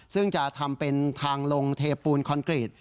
ซึ่งจะทำเป็นทางลงเทปูนคอนกรีต